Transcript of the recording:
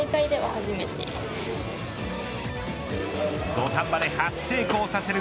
土壇場で初成功させる